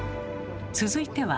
続いては。